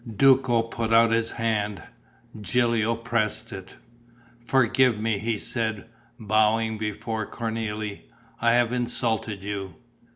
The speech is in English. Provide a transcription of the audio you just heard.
Duco put out his hand; Gilio pressed it: "Forgive me," he said, bowing before Cornélie. "I have insulted you."